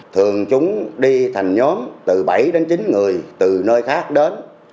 thường chúng đi thành nhóm từ bảy đến chín người từ nơi khác đến